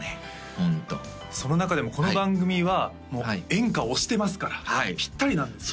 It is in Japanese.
ホントその中でもこの番組は演歌推してますからピッタリなんですよね